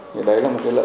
thì đấy là một lợi thế